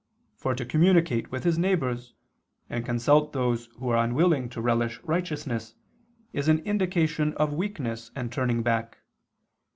For to communicate with his neighbors, and consult those who are unwilling to relish righteousness, is an indication of weakness and turning back.